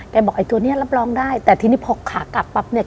บอกไอ้ตัวเนี้ยรับรองได้แต่ทีนี้พอขากลับปั๊บเนี่ย